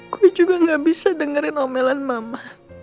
gue juga gak bisa dengerin omelan mama